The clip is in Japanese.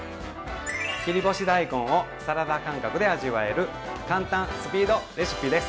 切り干し大根をサラダ感覚で味わえる簡単・スピードレシピです。